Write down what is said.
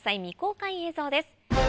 未公開映像です。